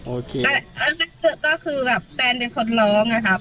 โอเคก็คือแบบแฟนเป็นคนร้องนะครับ